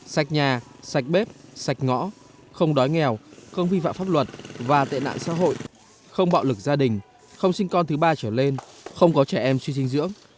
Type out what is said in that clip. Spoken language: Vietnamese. sạch nhà sạch bếp sạch ngõ không đói nghèo không vi phạm pháp luật và tệ nạn xã hội không bạo lực gia đình không sinh con thứ ba trở lên không có trẻ em suy dinh dưỡng